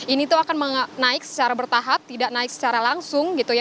ini tuh akan naik secara bertahap tidak naik secara langsung gitu ya